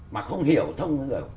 mà không hiểu thông thường